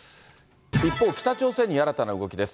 一方、北朝鮮に新たな動きです。